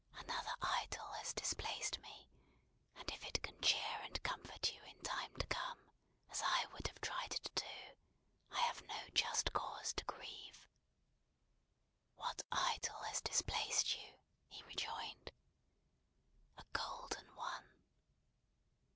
Another idol has displaced me; and if it can cheer and comfort you in time to come, as I would have tried to do, I have no just cause to grieve." "What Idol has displaced you?" he rejoined. "A golden one."